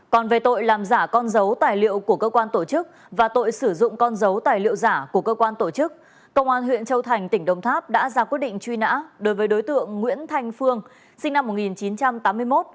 còn về tội làm giả con dấu tài liệu của cơ quan tổ chức và tội sử dụng con dấu tài liệu giả của cơ quan tổ chức công an huyện châu thành tỉnh đồng tháp đã ra quyết định truy nã đối với đối tượng nguyễn thanh phương sinh năm một nghìn chín trăm tám mươi một